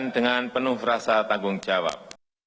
dengan penuh rasa tanggung jawab